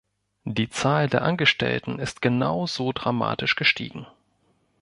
Die Zahl der Angestellten ist genauso dramatisch gestiegen.